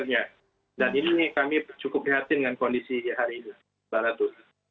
dan ini kami cukup yakin dengan kondisi hari ini mbak ratu